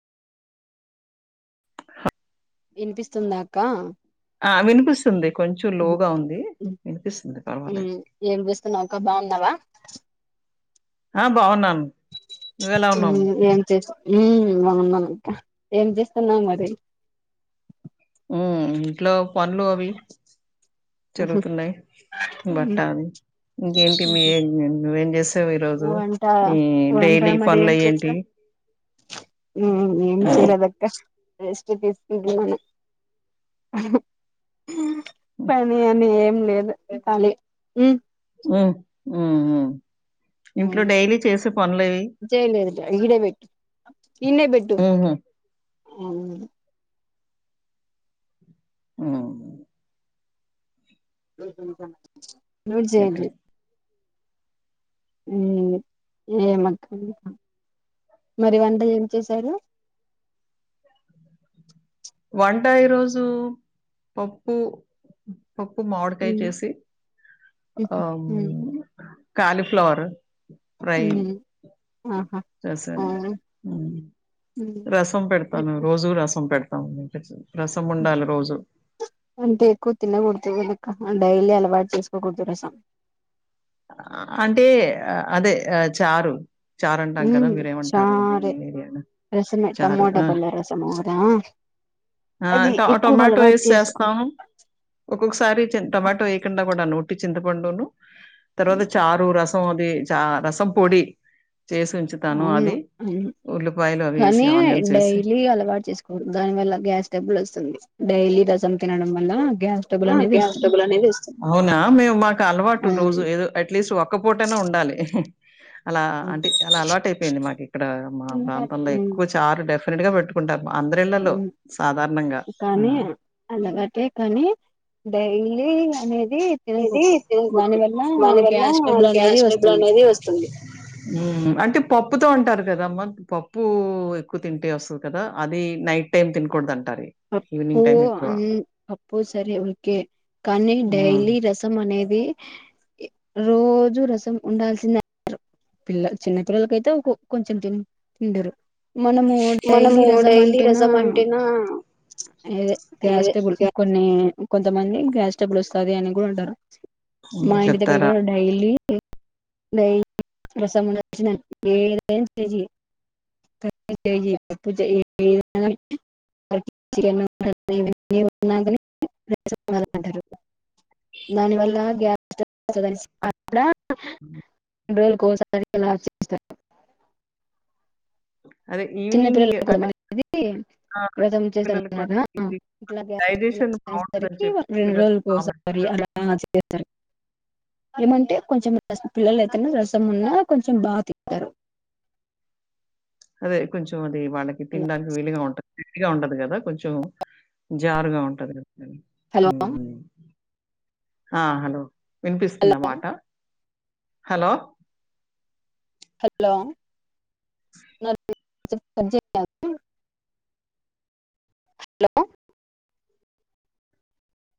వినిపిస్తుందాక్కా ఆ వినిపిస్తుంది. కొంచెం నువ్వు లోగా ఉంది. హ్మ్ వినిపిస్తుంది పర్వాలేదు. మ్మ్ ఏం చేస్తున్నావుక్క, బాగున్నావ ఆ బాగున్నాను ప్చ్ హ్మ్ ఏం చేస్తు హ్మ్ బాగున్నాంక్క, ఏం జేస్తున్నావు మరి హ్మ్ ఇంట్లో పన్లు అవి ప్చ్ జరుగుతున్నాయి. హ్మ్ బట్టలు హ్మ్ ఇంకేంటి మీర్ నువ్వేం చేస్ [unintelligible] ఈ రోజు వంట మీ వంట డైలీ మరి పనులై ఏంటివి హ్మ్ ఏం చేయలేదక్క రెస్ట్ తీసుకుంటున్నాను, హ్మ్ హుం హ్మ్. పని అని ఏం లేదు. కాలీ హ్మ్ హ్మ్ హ్మ్ హ్ హ్మ్ జైలేదు ఇడేబెట్టు, ప్చ్ ప్చ్ ఈన్నే బెట్టు హుహు. అవును హ్మ్ డైలీ తింటాన్న ప్చ్ నూజ్ ఇంకేంటి? చేయండ్రి. హ్మ్ ఏమక్క మరి వంట ఏం చేశారు. వంట ఈరోజు పప్పు హ్మ్ పప్పు, మామిడికాయ చేసి ఆమ్మ్ కాలిఫ్లవరు ఫ్రై ఉమ్ ఆహా రసం అవును ఉ హ్మ్. రసం హ్మ్. పెడతాను రోజూ రసం పెడతా అవును [inaudible] అంటే ఎక్కువ తిన కుడదు కదా డైలీ అలవాటు చేసుకోకూడదు రసం అంటే అదే ఆ చారు చారు అంటాం కదా ఉమ్ మీరేమంటారొ చారే మీ ఎరియా లో రసమే నచారు టమోటా పల్ల రసము కదా ఆ అది ఆ ఎక్కువ టొమాటో అలవాటు వేసి చేసుకో చేస్తాము ఒక్కొక్కసారి టొమాటో వేయకుండా కూడా ను చింతపండును తర్వాత హ్మ్. చారు రసం చ రసం పొడి చేసి ఉంచుతాను అవును అది అవును ఉల్లిపాయలు అవి వేసి కానీ ఆనియన్స్ వేసి డైలీ అలవాటు చేసుకోకూడదు దానివల్ల గ్యాస్ ట్రాబుల్ వస్తుంది డైలీ రసం తినడం వల్ల గ్యాస్ ట్రబుల్ అనేది వస్తుంది అవునా మేము మాకు అలవాటు రోజు అవును ఏదో అట్లీస్ట్ ఒక్కపూటయిన ఉండాలి అలా హ్మ్. అంటే అలా అలవాటు అయిపోయింది మాకి ఇక్కడ మా ప్రాంతంలో హ్మ్. ఎక్కువ చారు డెఫ ప్రెండ్ గా పెట్టుకుంటాం ఆ కానీ అలావటే కానీ డైలీ అనేది రసం అనేది తినకూడదు దాని తినకూడదు వల్ల దాని వల్ల గ్యాస్ ట్రబుల్ అనేది గ్యాస్ ట్రాబుల్ వస్తుంది అనేది వస్తుంది పప్పుతో అంటారు కదమ్మ పప్పు ఎక్కువ తింటే వస్తుంది కదా అది నైట్ టైమ్ తినకూడదు అంట పప్పు అన్ పప్పు సరే ఓకే కానీ ఆ డైలీ రసం అనేది ఒకే రోజు రసం ఉండాల్సిందె అంటారు పిల్లలు చిన్న పిల్లలకైతే కొంచెం తి తిందురు మనము డైలీ రసం అంటేనా అదే అదే గ్యాస్ ట్రబుల్ గ్యా కొన్ని కొంతమంది గ్యాస్ ట్రాబుల్ వస్తాది అని కూడా అంటారు మా ఇంటి దగ్గర చెప్తారా కూడా డైలీ రసం చెయ్యి పప్పు చెయ్యి ఎదన్నా చెయ్యి [unintelligible] దాని వల్ల గ్యాస్ ట్రాబుల్ బాషా కలిసిన అదే. కూడా రెండు రోజుల ఒక్కసారి వెళ్ళాల్సి వస్తాది అదే చిన్న ఈవినింగ్ పిల్లల అంటే అనేది ఆ! వ్రతం పిల్లలకి కూడా చేస్తాం ఇది [inaudible] ఇట్లాగే డైజెషన్ బావుంటదని సిరికి చెప్పి రెండు పిల్లలు బా రోజులకిసారి మెత్తగా అలా మారిచిపొతారు ఏమంటే కొంచెం రసం పిల్లలయితేనా రసం ఉన్నా కొంచెం బాగా తింటారు అదే కొంచెం వాళ్ళకి తినడానికి విలుగా ఉంటుంది గట్టిగా ఉండదు కదా కొంచెం జారుగా ఉంటది కదా హలో ఆ హలో వినిపిస్తుందా హలో మాట హలో హలో నాక్ వి న్ [unintelligible] హలో